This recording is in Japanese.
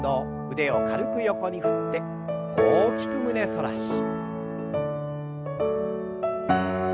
腕を軽く横に振って大きく胸反らし。